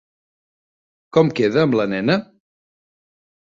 Com queda amb la nena?